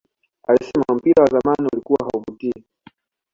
Alisema mpira wa zamani ulikuwa hauvutii